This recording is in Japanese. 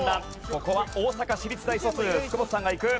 ここは大阪市立大卒福本さんがいく。